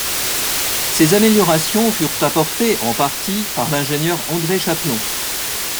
Ces améliorations furent apportées, en partie, par l'ingénieur André Chapelon.